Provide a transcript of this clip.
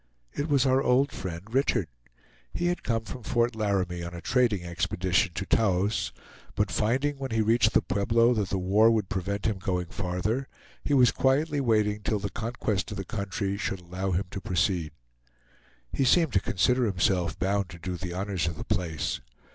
It was our old friend Richard. He had come from Fort Laramie on a trading expedition to Taos; but finding, when he reached the Pueblo, that the war would prevent his going farther, he was quietly waiting till the conquest of the country should allow him to proceed. He seemed to consider himself bound to do the honors of the place.